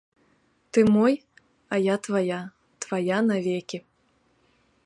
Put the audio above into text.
Ты мой, а я твая, твая навекі.